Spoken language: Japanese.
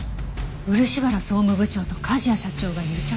漆原総務部長と梶谷社長が癒着？